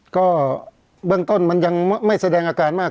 ก็เบื้องต้นมันยังไม่แสดงอาการมาก